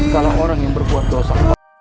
kalau orang yang berbuat dosa